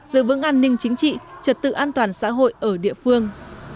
giữ vững an ninh chính trị trật tự an toàn xã hội ở địa phương